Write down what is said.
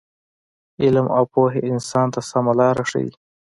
علم او پوهه انسان ته سمه لاره ښیي.